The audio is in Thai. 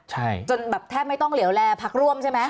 ใช่จนแบบแทบไม่ต้องเหลวแลพักร่วมใช่ไหม